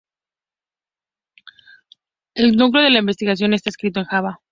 El núcleo de la aplicación está escrito en Java.